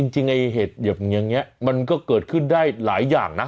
จริงไอ้เหตุอย่างนี้มันก็เกิดขึ้นได้หลายอย่างนะ